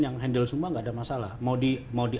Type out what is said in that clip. yang handle semua nggak ada masalah mau di